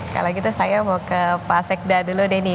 kalau gitu saya mau ke pak sekda dulu deh nih